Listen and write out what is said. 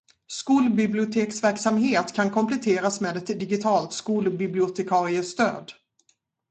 Skolbiblioteksverksamhet kan kompletteras med ett digitalt skolbibliotekariestöd.